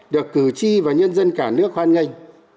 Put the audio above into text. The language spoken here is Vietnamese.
được cử tri và nhân dân cả nước hoan nghênh